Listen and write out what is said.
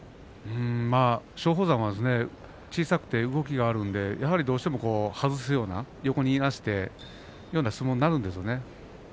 松鳳山は小さくて動きがあるので、どうしても外すようないなすような相撲になるんですね。